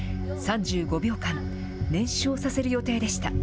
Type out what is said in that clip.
３５秒間、燃焼させる予定でした。